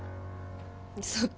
そっか。